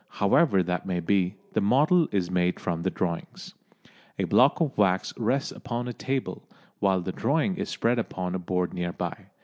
However that may be, the model is made from the drawings. A block of wax rests upon a table, while the drawing is spread upon a board near by.